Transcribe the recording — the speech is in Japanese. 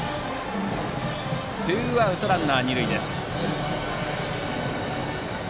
ツーアウトランナー、二塁です。